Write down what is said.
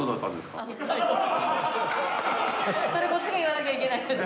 それこっちが言わなきゃいけないやつ。